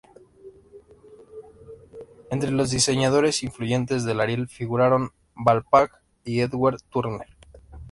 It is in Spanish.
Entre los diseñadores influyentes de Ariel figuraron Val Page y Edward Turner.